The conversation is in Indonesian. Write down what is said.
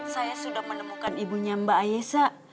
saya sudah menemukan ibunya mbak ayeza